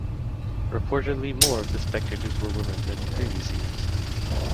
Reportedly more of the spectators were women than in previous years.